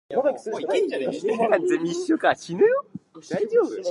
He was educated at home and, for about two years, at King's College, London.